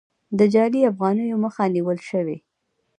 د جعلي افغانیو مخه نیول شوې؟